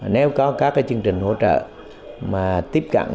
nếu có các chương trình hỗ trợ mà tiếp cận